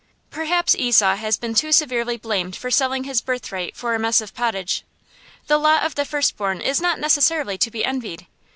Perhaps Esau has been too severely blamed for selling his birthright for a mess of pottage. The lot of the firstborn is not necessarily to be envied.